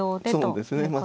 そうですね。